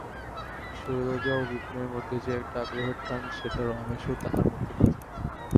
শৈলজা ও বিপিনের মধ্যে যে-একটা আগ্রহের টান সেটা রমেশ ও তাহার মধ্যে কোথায়?